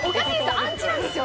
アンチなんですよ